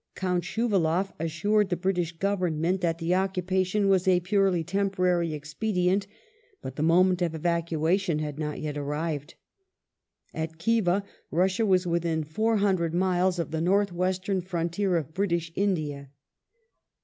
Count Schuvaloff assured the British Government that the occupation was a purely temporary expedient ; but the moment of evacuation has not yet arrived. At Khiva Russia was within 400 miles of the North Western frontier of British India.